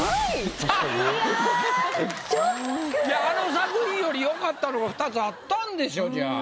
あの作品よりよかったのが２つあったんでしょじゃあ。